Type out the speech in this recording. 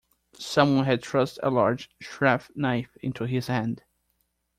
Some one had thrust a large sheath-knife into his hand.